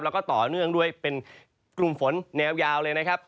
แล้วก็ต่อเนื่องด้วยเป็นกลุ่มฝนแนวยาวเลยนะครับ